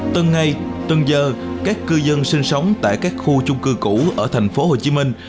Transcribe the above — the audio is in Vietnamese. từng ngày từng giờ các cư dân sinh sống tại các khu chung cư cũ ở thành phố hồ chí minh